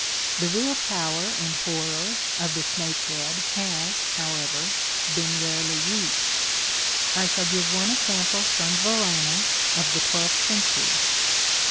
The real power and horror of the snake head has, however, been rarely reached. I shall give one example from Verona of the twelfth century.